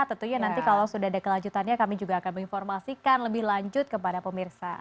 tentunya nanti kalau sudah ada kelanjutannya kami juga akan menginformasikan lebih lanjut kepada pemirsa